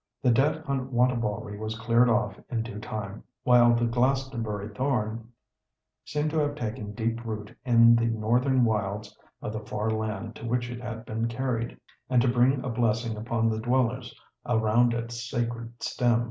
The debt on Wantabalree was cleared off in due time, while the "Glastonbury Thorn" seemed to have taken deep root in the northern wilds of the far land to which it had been carried, and to bring a blessing upon the dwellers around its sacred stem.